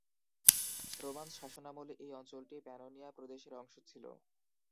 Roman শাসনামলে এই অঞ্চলটি প্যানোনিয়া প্রদেশের অংশ ছিল।